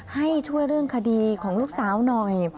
ให้ช่วยเรื่องคดีของลูกสาวหน่อย